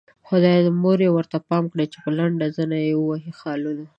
خدايه د مور يې ورته پام کړې چې په لنډۍ زنه يې ووهي خالونه